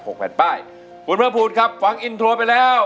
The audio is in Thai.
แผ่นป้ายคุณเพิ่มภูมิครับฟังอินโทรไปแล้ว